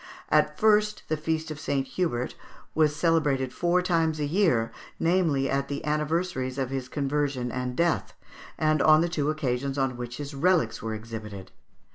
At first the feast of St. Hubert was celebrated four times a year, namely, at the anniversaries of his conversion and death, and on the two occasions on which his relics were exhibited.